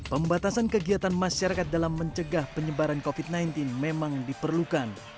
pembatasan kegiatan masyarakat dalam mencegah penyebaran covid sembilan belas memang diperlukan